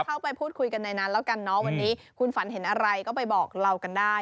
เข้าไปพูดคุยกันในนั้นแล้วกันเนาะวันนี้คุณฝันเห็นอะไรก็ไปบอกเรากันได้